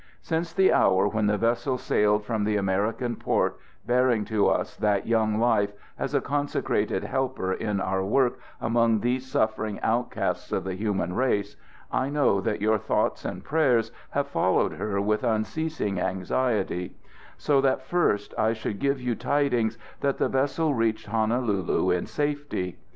"Since the hour when the vessel sailed from the American port, bearing to us that young life as a consecrated helper in our work among these suffering outcasts of the human race, I know that your thoughts and prayers have followed her with unceasing anxiety; so that first I should give you tidings that the vessel reached Honolulu in safety.